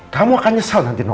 kamu akan nyesel nanti